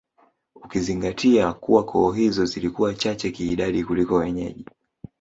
Ukizingatia kuwa koo hizo zilikuwa chache kiidadi kuliko wenyeji